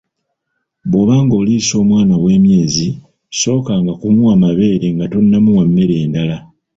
Bw'oba oliisa omwana ow'emyezi , sookanga kumuwa mabeere nga tonnamuwa mmere ndala.